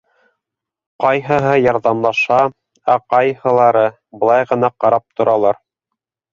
Ҡайһыһы ярҙамлаша, ә ҡайһылары былай ғына ҡарап торалар.